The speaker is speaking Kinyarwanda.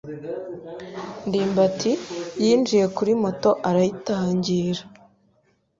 ndimbati yinjiye kuri moto arayitangira.